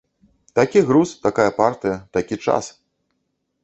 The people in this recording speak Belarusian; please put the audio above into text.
Такі груз, такая партыя, такі час!